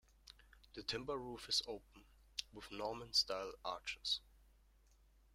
The timber roof is open, with Norman-style arches.